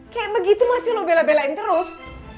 kayak begitu masih lo bela belain terus